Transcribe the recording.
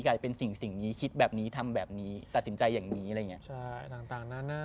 กลายเป็นสิ่งนี้คิดแบบนี้ทำแบบนี้ตัดสินใจอย่างนี้อะไรอย่างนี้